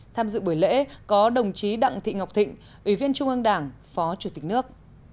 tham dự buổi lễ có đồng chí đặng thị ngọc thịnh ủy viên trung ương đảng phó chủ tịch nước